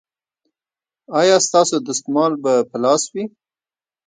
ایا ستاسو دستمال به په لاس وي؟